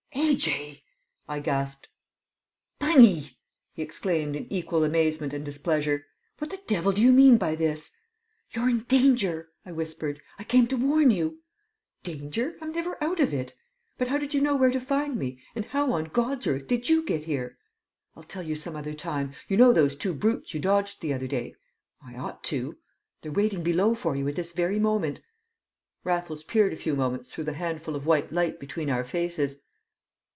"A.J.!" I gasped. "Bunny!" he exclaimed in equal amazement and displeasure. "What the devil do you mean by this?" "You're in danger," I whispered. "I came to warn you!" "Danger? I'm never out of it. But how did you know where to find me, and how on God's earth did you get here?" "I'll tell you some other time. You know those two brutes you dodged the other day?" "I ought to." "They're waiting below for you at this very moment." Raffles peered a few moments through the handful of white light between our faces.